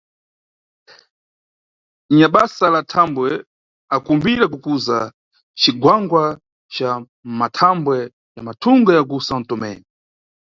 Nyabasa la nthambwe akumbira kukuza cigwangwa ca mʼmathambwe ya mathunga ya ku São Tomé.